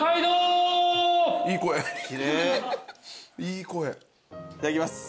いただきます。